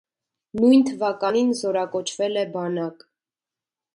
Նույն թվականին զորակոչվել է բանակ։